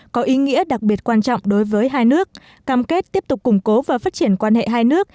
có ý nghĩa đặc biệt quan trọng đối với hai nước cam kết tiếp tục củng cố và phát triển quan hệ hai nước